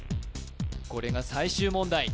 これが最終問題